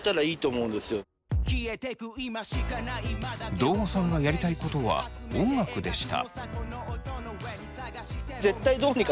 堂後さんがやりたいことは音楽でした。